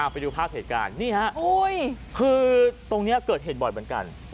ไปดูภาพเหตุการณ์นี่ฮะคือตรงนี้เกิดเหตุบ่อยเหมือนกัน